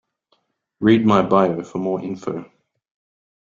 Read my bio for more info.